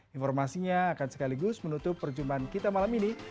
informasinya akan sekaligus menutup perjumpaan kita malam ini